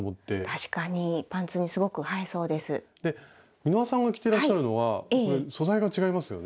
美濃羽さんが着てらっしゃるのはこれ素材が違いますよね？